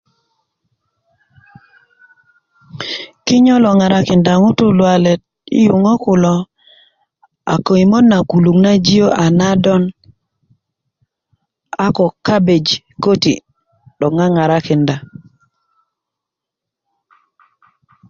kinyo lo ŋarakinda ŋutu luwalet i yuŋá kulo a köyimöt na kuluk na giyö a na don a ko cabegi köti' 'dok ŋaŋarakinda